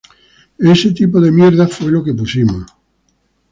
Ese tipo de mierda fue lo que pusimos.